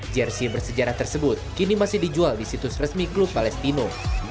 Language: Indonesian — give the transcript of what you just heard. jersi bersejarah tersebut kini masih dijual di situs resmi klub palestino